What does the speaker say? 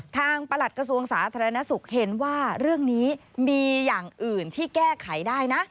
ประหลัดกระทรวงสาธารณสุขเห็นว่าเรื่องนี้มีอย่างอื่นที่แก้ไขได้นะ